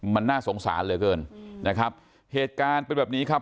มันน่าสงสารเหลือเกินนะครับเหตุการณ์เป็นแบบนี้ครับ